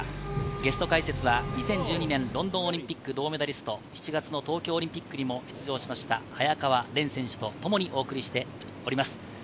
ゲスト解説は２０１２年ロンドンオリンピック銅メダリスト、７月の東京オリンピックにも出場しました、早川漣選手とともにお送りしております。